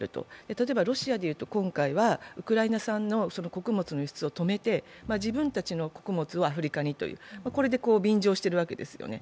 例えばロシアでいうと、今回はウクライナ産の穀物の輸出を止めて自分たちの穀物をアフリカにという、これで便乗してるわけです。